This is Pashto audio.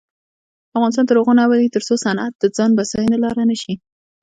افغانستان تر هغو نه ابادیږي، ترڅو صنعت د ځان بسیاینې لاره نشي.